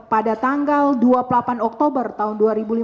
pada tanggal dua puluh delapan oktober tahun dua ribu lima belas